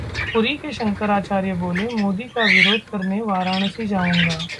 पुरी के शंकराचार्य बोले, मोदी का विरोध करने वाराणसी जाऊंगा